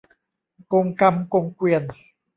กงกรรมกงเกวียน